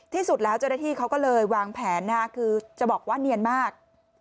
ที่สุดแล้วเจ้าหน้าที่เขาก็เลยวางแผนคือจะบอกว่าเนียนมาก